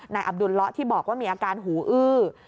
อับดุลเลาะที่บอกว่ามีอาการหูอื้อ